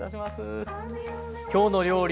「きょうの料理」